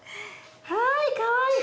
はいかわいい。